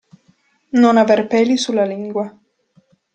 Non aver peli sulla lingua.